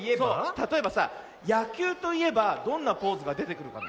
たとえばさやきゅうといえばどんなポーズがでてくるかな？